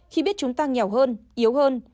khi biết chúng ta nghèo hơn yếu hơn